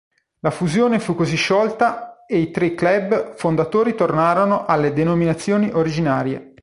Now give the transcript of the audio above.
La fusione fu così sciolta e i tre club fondatori tornarono alle denominazioni originarie.